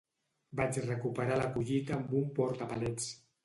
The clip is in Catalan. Vaig recuperar la collita amb un portapalets.